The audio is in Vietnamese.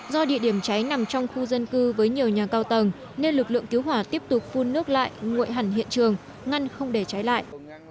do địa điểm cháy nằm trong khu dân cư với nhiều nhà cao tầng nên lực lượng cứu hỏa tiếp tục phun nước lại nguội hẳn hiện trường ngăn không để cháy lại